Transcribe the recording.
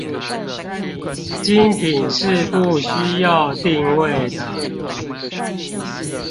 精品是不需要定位的